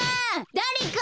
だれか！